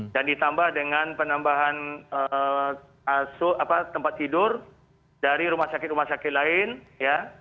dan ditambah dengan penambahan tempat tidur dari rumah sakit rumah sakit lain ya